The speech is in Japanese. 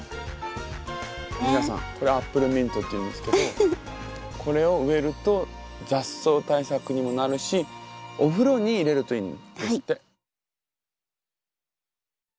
皆さんこれアップルミントっていうんですけどこれを植えると雑草対策にもなるしお風呂に入れるといいんですって。